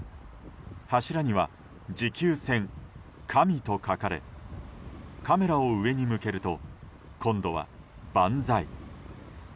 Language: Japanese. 柱には「持久戦」、「神」と書かれカメラを上に向けると今度は「バンザイ」。